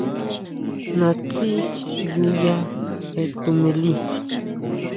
Naʼtsi ʼyu ya je tuʼmili.